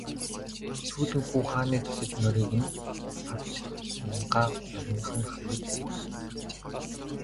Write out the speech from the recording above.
Сүүлэн хүү хааны тосож морийг нь авч уянгаа мориных нь хамрыг сэт татжээ.